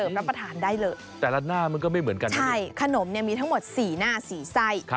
มันก็ไม่เหมือนกันเลยอีกขนมเนี่ยมีทั้งหมด๔หน้า๔ปัจไซต์